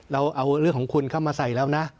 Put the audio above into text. เราเอาเรื่องของคุณเข้ามาใส่แล้วนะ